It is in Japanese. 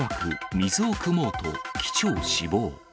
水をくもうと、機長死亡。